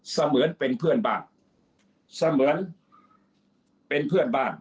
เสมือนเป็นเพื่อนบ้าน